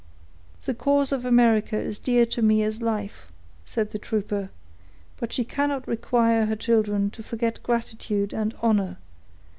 "The cause of America is dear to me as life," said the trooper, "but she cannot require her children to forget gratitude and honor.